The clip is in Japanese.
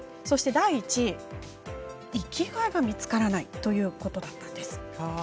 そして第１位生きがいが見つからないということだったんです。